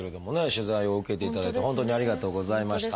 取材を受けていただいて本当にありがとうございました。